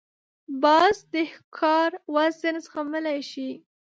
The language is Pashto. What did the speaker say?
باز د ښکار وزن زغملای شي